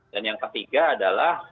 dan yang ketiga adalah